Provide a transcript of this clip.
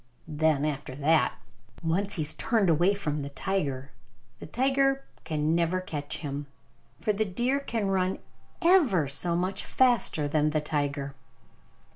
Then after that, once he has turned away from the tiger, the tiger can never catch him. For the deer can run ever so much faster than the tiger.